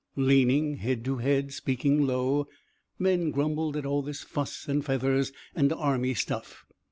Leaning head to head, speaking low, men grumbled at all this fuss and feathers and Army stuff.